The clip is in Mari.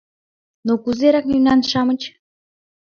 — Ну, кузерак мемнан-шамыч?